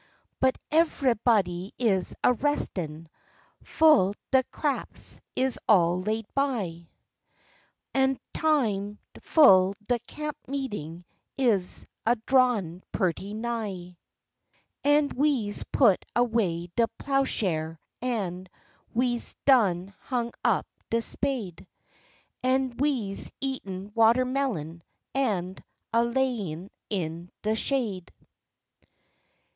But evehbody is a restin', fu' de craps is all laid by, An' time fu' de camp meetin' is a drawin' purty nigh; An' we's put away de ploughshare, an' we's done hung up de spade, An' we's eatin' watermelon, an' a layin' in de shade.